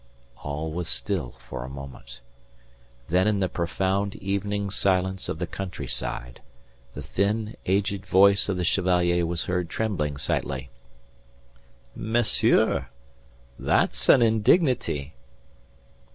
All was still for a moment. Then in the profound evening silence of the countryside the thin, aged voice of the Chevalier was heard trembling slightly. "Monsieur! That's an indignity."